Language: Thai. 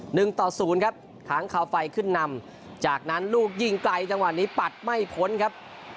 หนึ่งต่อศูนย์ครับค้างคาวไฟขึ้นนำจากนั้นลูกยิ่งไกลจังหวะนี้ปัดไม่พ้นครับ